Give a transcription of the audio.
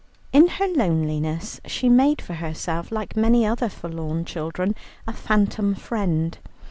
In her loneliness she made for herself, like many other forlorn children, a phantom friend.